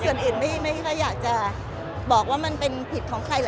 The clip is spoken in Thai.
ส่วนอื่นไม่ค่อยอยากจะบอกว่ามันเป็นผิดของใครเห